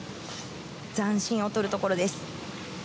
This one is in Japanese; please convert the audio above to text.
残心を取るところです。